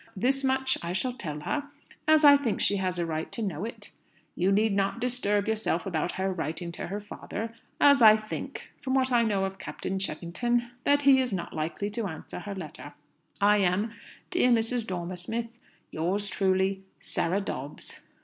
This much I shall tell her, as I think she has a right to know it. You need not disturb yourself about her writing to her father, as I think, from what I know of Captain Cheffington, that he is not likely to answer her letter. "I am, dear Mrs. Dormer Smith, "Yours truly, "SARAH DOBBS."